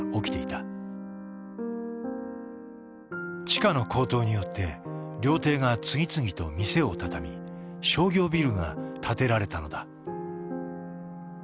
地価の高騰によって料亭が次々と店を畳み商業ビルが建てられたのだ。